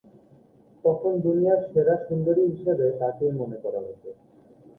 তখনও দুনিয়ার সেরা সুন্দরী হিসেবে তাকেই মনে করা হতো।